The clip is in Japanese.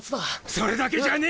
それだけじゃねえ！